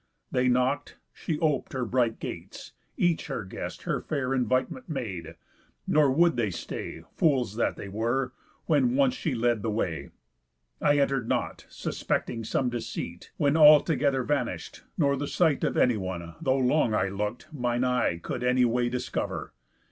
They knock'd, she op'd her bright gates; each her guest Her fair invitement made; nor would they stay, Fools that they were, when she once led the way. I enter'd not, suspecting some deceit. When all together vanish'd, nor the sight Of anyone (though long I look'd) mine eye Could any way discover.